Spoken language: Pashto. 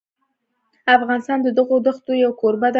افغانستان د دغو دښتو یو کوربه دی.